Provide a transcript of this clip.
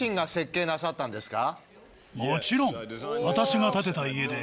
もちろん！